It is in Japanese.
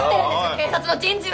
警察の人事は！